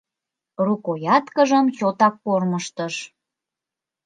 Рукояткыжым чотак кормыжтыш.